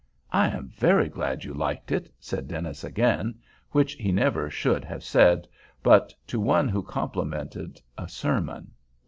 "I am very glad you liked it," said Dennis again, which he never should have said, but to one who complimented a sermon.